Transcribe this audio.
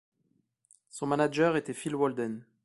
Son manager était Phil Walden.